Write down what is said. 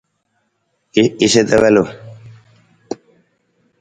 Jasa ta walung.